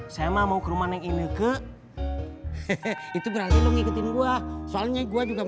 sampai jumpa di video selanjutnya